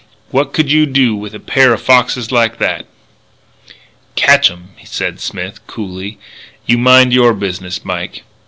What could you do with a pair o' foxes like that?" "Catch 'em," said Smith, coolly. "You mind your business, Mike."